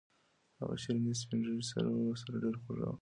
هغه شیرني چې سپین سرې ورکړه ډېره خوږه وه.